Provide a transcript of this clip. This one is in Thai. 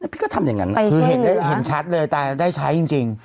พี่ก็ทำอย่างนั้นคือเห็นชัดเลยแต่ได้ใช้จริง